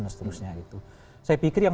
dan seterusnya gitu saya pikir yang